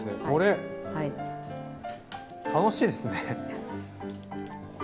これ楽しいですね。